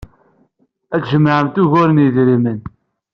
Ad tjemɛemt ugar n yedrimen.